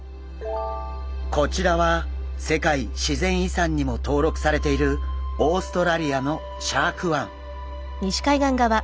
こちらは世界自然遺産にも登録されているオーストラリアのシャーク湾。